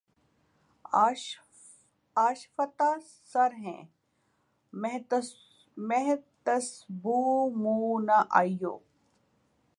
آشفتہ سر ہیں محتسبو منہ نہ آئیو